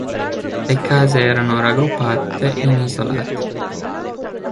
Le case erano raggruppate in isolati.